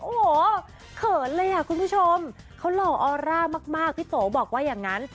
โอ้โหเขินเลยอ่ะคุณผู้ชมเขาหล่อออร่ามากพี่โตบอกว่าอย่างนั้น